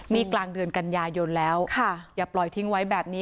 นี่กลางเดือนกันยายนแล้วอย่าปล่อยทิ้งไว้แบบนี้